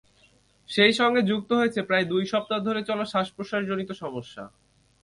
সেই সঙ্গে যুক্ত হয়েছে প্রায় দুই সপ্তাহ ধরে চলা শ্বাস-প্রশ্বাসজনিত সমস্যা।